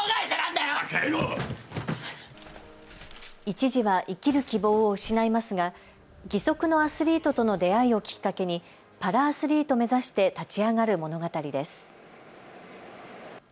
一時は生きる希望を失いますが義足のアスリートとの出会いをきっかけにパラアスリート目指して立ち上がる物語です。